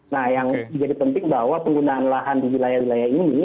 nah yang jadi penting bahwa penggunaan lahan di wilayah wilayah ini